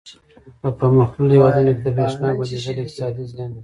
په پرمختللو هېوادونو کې د برېښنا بندېدل اقتصادي زیان لري.